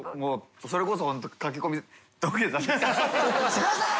すみません！